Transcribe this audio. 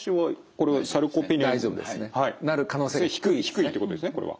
低いということですねこれは。